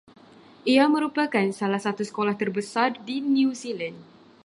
Ia merupakan salah satu sekolah terbesar di New Zealand